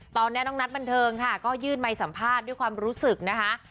ตอนนี้น้องนัทบันเทิงค่ะก็ยื่นไมค์สัมภาษณ์ด้วยความรู้สึกนะคะ